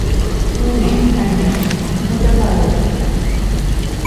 Не, канешне, не запарожцы.